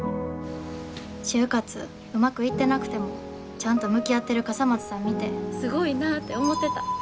就活うまくいってなくてもちゃんと向き合ってる笠松さん見てすごいなぁって思ってた。